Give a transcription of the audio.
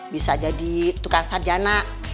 bisa jadi tukang sarjana